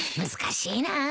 難しいな。